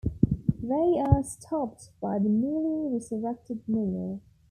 They are stopped by the newly resurrected Neil.